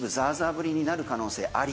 降りになる可能性あり。